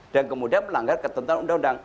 dan kemudian melanggar ketentuan undang undang